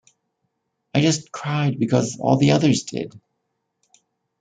I just cried because all the others did.